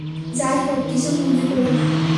যাই হোক, কিছু মনে করো না।